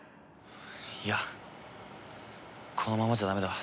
いやこのままじゃダメだ。